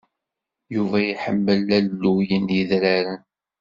Yuba iḥemmel alluy n yedraren.